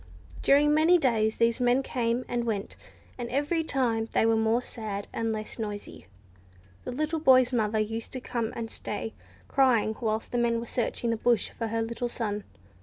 During many days, these men came and went, and every time they were more sad, and less noisy. The little boy's mother used to come and stay, crying, whilst the men were searching the bush for her little son.